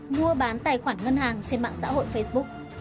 mua bán tài khoản ngân hàng trên mạng xã hội facebook